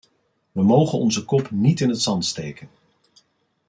Wij mogen onze kop niet in het zand steken.